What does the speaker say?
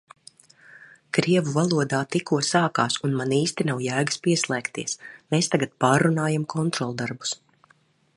Krievu valodā tikko sākās un man īsti nav jēgas pieslēgties. Mēs tagad pārrunājam kontroldarbus.